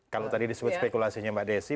kalau tadi disebut spekulasinya mbak desi